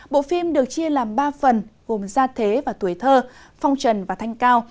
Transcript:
bộ phim được chia làm ba phần gồm gia thế và tuổi thơ phong trần và thanh cao